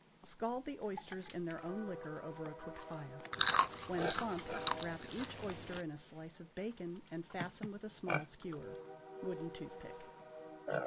= Scald the oysters in their own liquor over a quick fire. When plump wrap each oyster in a slice of bacon, and fasten with a small skewer (wooden toothpick).